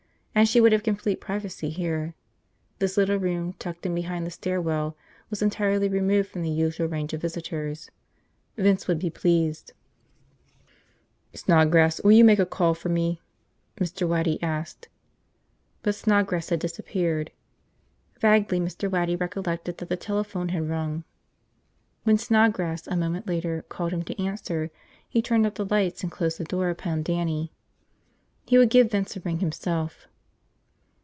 And she would have complete privacy here. This little room, tucked in behind the stair well, was entirely removed from the usual range of visitors. Vince would be pleased, "Snodgrass, will you make a call for me?" Mr. Waddy asked. But Snodgrass had disappeared. Vaguely Mr. Waddy recollected that the telephone had rung. When Snodgrass, a moment later, called him to answer, he turned out the lights and closed the door upon Dannie. He would give Vince a ring himself.